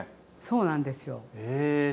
そうなんですよ。